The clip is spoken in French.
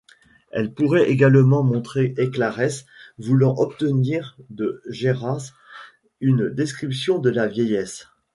Elle pourrait également montrer Héraclès voulant obtenir de Géras une description de la vieillesse.